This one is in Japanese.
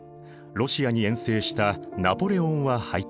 ロシアに遠征したナポレオンは敗退。